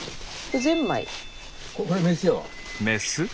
メス？